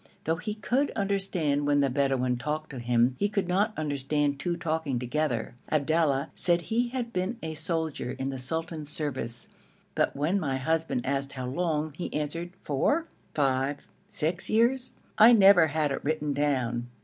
Though he could understand when the Bedouin talked to him, he could not understand two talking together. Abdallah said he had been a soldier in the sultan's service, but when my husband asked how long he answered, 'Four, five, six years. I have never had it written down.'